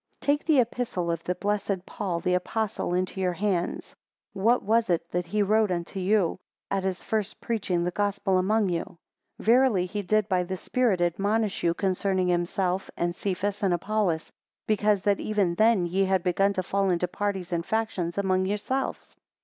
20 Take the Epistle of the blessed Paul the Apostle into your hands; What was It that he wrote to you at his first preaching the Gospel among you? 21 Verily he did by the spirit admonish you concerning himself, and Cephas, and Apollos, because that even then ye had begun to fall into parties and factions among yourselves.